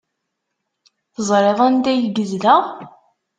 Teẓriḍ anda ay yezdeɣ?